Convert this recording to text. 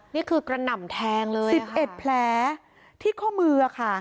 นี่คือกระหน่ำแทงเลย๑๑แผลที่ข้อมือค่ะ